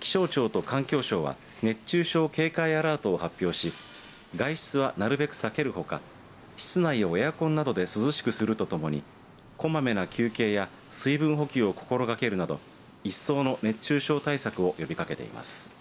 気象庁と環境省は熱中症警戒アラートを発表し外出はなるべく避けるほか室内をエアコンなどで涼しくするとともにこまめな休憩や水分補給を心がけるなど一層の熱中症対策を呼びかけています。